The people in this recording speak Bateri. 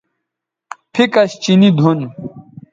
پھیکش چینی دُھن